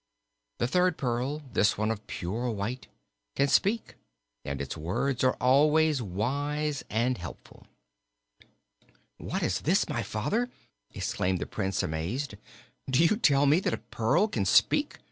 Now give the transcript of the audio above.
The third pearl this one of pure white can speak, and its words are always wise and helpful." "What is this, my father!" exclaimed the Prince, amazed; "do you tell me that a pearl can speak?